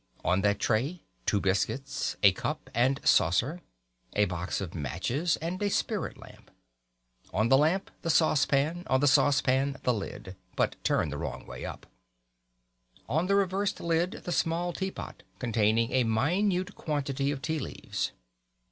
On that tray two biscuits, a cup and saucer, a box of matches and a spirit lamp; on the lamp, the saucepan; on the saucepan, the lid but turned the wrong way up; on the reversed lid, the small teapot, containing a minute quantity of tea leaves.